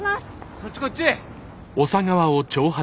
こっちこっち。